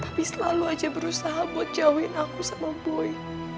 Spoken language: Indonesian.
tapi selalu aja berusaha buat jauhin aku sama bui